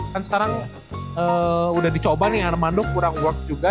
kan sekarang udah dicoba nih armando kurang works juga